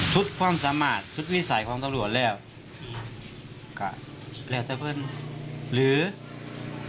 ความสามารถชุดวิสัยของตำรวจแล้วก็แล้วแต่เพื่อนหรือ